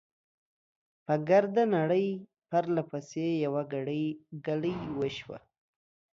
په ګرده نړۍ، پرله پسې، يوه ګړۍ، ګلۍ وشوه .